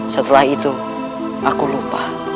setelah itu aku lupa